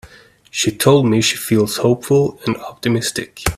She told me she feels hopeful and optimistic.